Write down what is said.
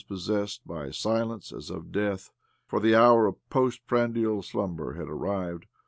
loo OBLOMOV possessed by a silence as of death, for the hour',,of post prandial slumber had arrived.